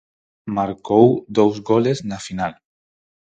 Marcou dous goles na final.